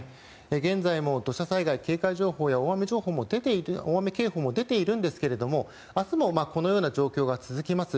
現在も土砂災害警戒情報や大雨警報も出ているんですが明日もこのような状況が続きます。